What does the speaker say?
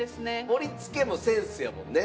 盛り付けもセンスやもんね。